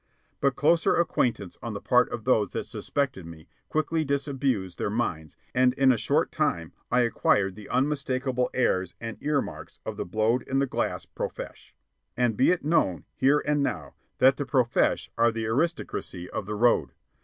But closer acquaintance on the part of those that suspected me quickly disabused their minds, and in a short time I acquired the unmistakable airs and ear marks of the blowed in the glass profesh. And be it known, here and now, that the profesh are the aristocracy of The Road.